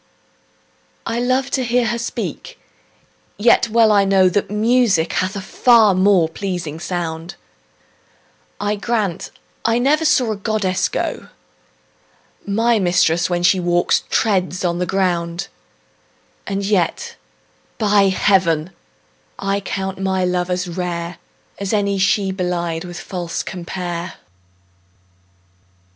I love to hear her speak, yet well I know That music hath a far more pleasing sound: I grant I never saw a goddess go; My mistress, when she walks, treads on the ground: And yet by heaven, I think my love as rare, As any she belied with false compare.